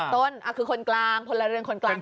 ต้นคือคนกลางพลเรือนคนกลาง